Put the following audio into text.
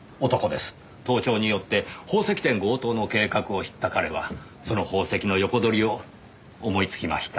盗聴によって宝石店強盗の計画を知った彼はその宝石の横取りを思いつきました。